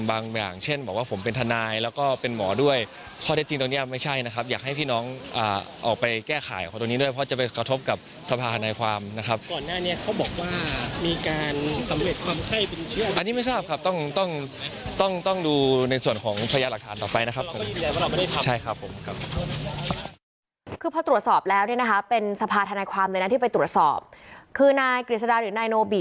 อันนี้ไม่ทราบครับต้องดูในส่วนของพยายามหลักฐานต่อไปนะครับ